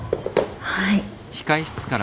はい。